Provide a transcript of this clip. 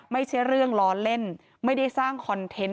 น้องเวฟรอเล่นไม่ได้สร้างคอนเทนต์